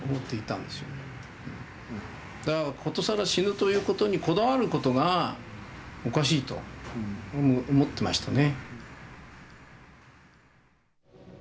だから殊更死ぬということにこだわることがおかしいと思ってましたね。